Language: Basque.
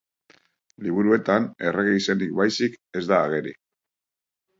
Liburuetan errege izenik baizik ez da ageri.